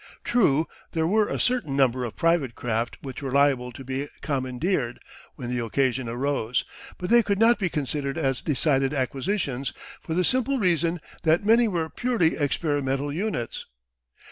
True, there were a certain number of private craft which were liable to be commandeered when the occasion arose, but they could not be considered as decided acquisitions for the simple reason that many were purely experimental units.